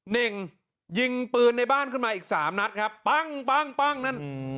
เน่งยิงปืนในบ้านขึ้นมาอีกสามนัดครับปั้งปั้งปั้งนั่น